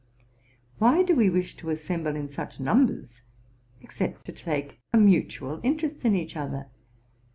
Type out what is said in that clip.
Why do we wish to assemble in such numbers, except to take a mutual interest in each other?